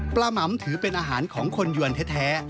หมำถือเป็นอาหารของคนยวนแท้